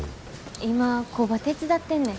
今工場手伝ってんねん。